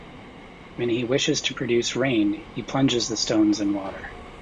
When he wishes to produce rain he plunges the stones in water.